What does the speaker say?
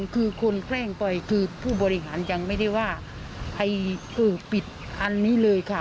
คือคนแกล้งไปคือผู้บริหารยังไม่ได้ว่าปิดอันนี้เลยค่ะ